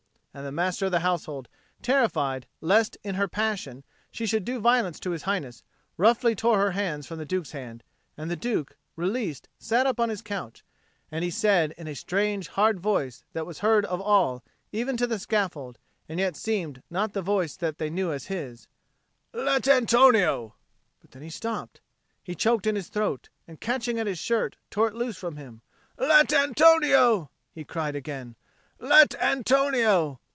And the Master of the Household, terrified lest in her passion she should do violence to His Highness, roughly tore her hands from the Duke's hand, and the Duke, released, sat up on his couch, and he said, in a strange hard voice that was heard of all, even to the scaffold, and yet seemed not the voice that they knew as his, "Let Antonio " But then he stopped; he choked in his throat, and, catching at his shirt, tore it loose from him. "Let Antonio!" he cried again. "Let Antonio!"